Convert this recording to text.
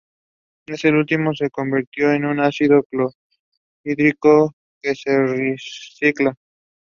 He then joined the Montana School of Mines and later the University of Wisconsin.